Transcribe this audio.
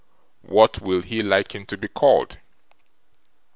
What will he like him to be called?